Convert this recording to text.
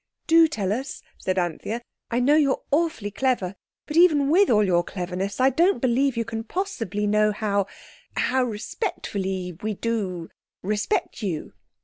"Do tell us," said Anthea. "I know you're awfully clever, but even with all your cleverness, I don't believe you can possibly know how—how respectfully we do respect you.